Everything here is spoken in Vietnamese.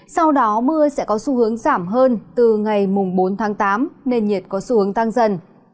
sau đó mưa sẽ có xu hướng giảm hơn từ ngày bốn tháng tám nền nhiệt có xu hướng tăng dần